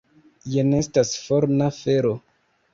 Jen estas forna fero!